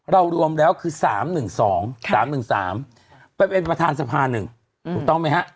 รวมแล้วคือ๓๑๒๓๑๓ไปเป็นประธานสภา๑ถูกต้องไหมฮะ